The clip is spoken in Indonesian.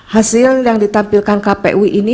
hasil yang ditampilkan kpu ini